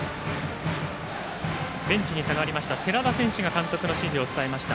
ベンチに下がりました寺田選手が監督の指示を伝えました。